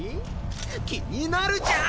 気になるじゃん！